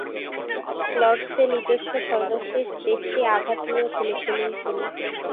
লর্ডসে নিজস্ব সর্বশেষ টেস্টে আঘাত নিয়েও খেলেছিলেন তিনি।